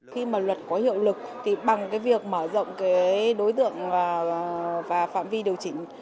khi mà luật có hiệu lực thì bằng việc mở rộng đối tượng và phạm vi điều chỉnh